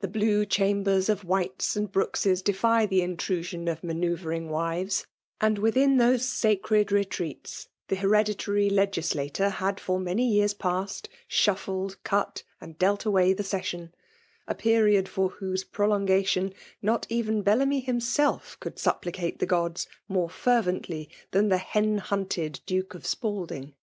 The blue chambers of Wliite^s and Brookes s defy the intrusion of manoeuvring wives ; and, within those sacred retreats, the hereditary legislator had for many years past shuffled, cut, and dealt away the session ; a period for whose prolongation not even Bellamy himself could supplicate the gods more fervently than the hen hunted Duke of Spalding.